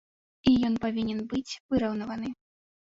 І ён павінен быць выраўнаваны.